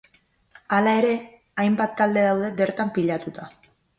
Hala ere, hainbat talde daude bertan pilatuta.